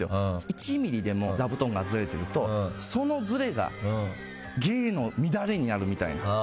１ｍｍでも座布団がずれてるとそのずれが芸の乱れになるみたいな。